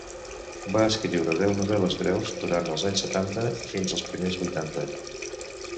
Va escriure deu novel·les breus durant els anys setanta i fins als primers vuitanta.